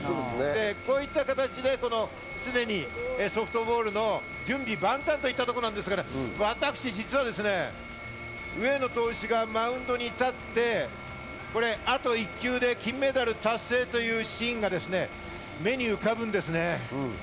こういった形ですでにソフトボールの準備万端といったところなんですが、私、実は上野投手がマウンドに立ってあと１球で金メダル達成というシーンが目に浮かぶんですね。